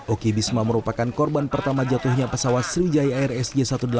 oki bisma merupakan korban pertama jatuhnya pesawat sriwijaya r s j satu ratus delapan puluh dua